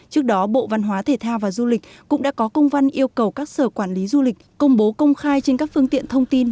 trước đó bộ văn hóa thể thao và du lịch cũng đã có công văn yêu cầu các sở quản lý du lịch công bố công khai trên các phương tiện thông tin